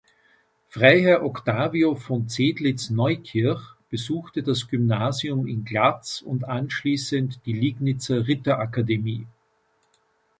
Freiherr Octavio von Zedlitz-Neukirch besuchte das Gymnasium in Glatz und anschließend die Liegnitzer Ritterakademie.